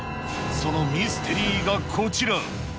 そのミステリーがこちら。